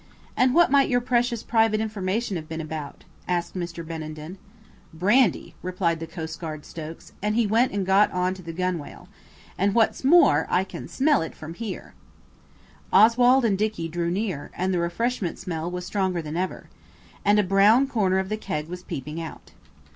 "An' what might your precious private information have been about?" asked Mr. Benenden. "Brandy," replied the coastguard Stokes, and he went and got on to the gunwale. "And what's more, I can smell it from here." Oswald and Dicky drew near, and the refreshment smell was stronger than ever. And a brown corner of the keg was peeping out.